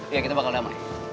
iya kita bakal damai